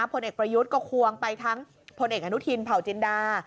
ผลเอกประยุทธ์ก็ควงไปทั้งพลเอกอนุทินเผาจินดา